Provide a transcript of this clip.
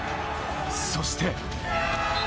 そして。